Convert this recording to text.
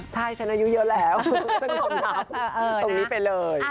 ใช่ฉันอายุเยอะแล้วต้องรับตรงนี้ไปเลย